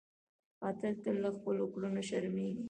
قاتل تل له خپلو کړنو شرمېږي